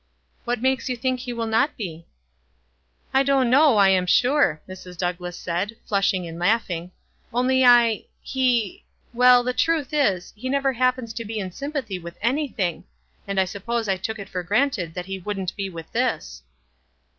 "What makes yon think he will not be?" "I don't know, I am sure," Mrs. Douglass said, flushing and laughing. "Only I — he — well, the truth is, he never happens to be in sympathy with anything; and I suppose I took it for granted that he wouldn't be with this."